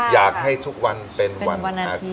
อยากให้ทุกวันเป็นวันอาทิต